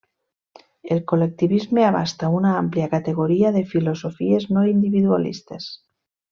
El col·lectivisme abasta una àmplia categoria de filosofies no individualistes.